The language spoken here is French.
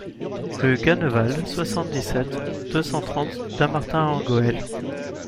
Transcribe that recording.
Rue Ganneval, soixante-dix-sept, deux cent trente Dammartin-en-Goële